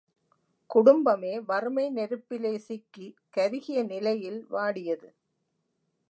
குடும்பமே வறுமை நெருப்பிலே சிக்கி கருகிய நிலையில் வாடியது!